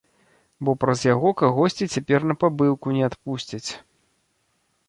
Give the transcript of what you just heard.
Бо праз яго кагосьці цяпер на пабыўку не адпусцяць.